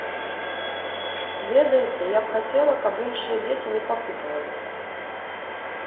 Ведаеце, я б хацела, каб іншыя дзеці не пакутавалі.